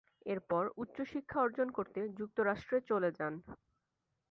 এরপর উচ্চ শিক্ষা অর্জন করতে যুক্তরাষ্ট্রে চলে যান।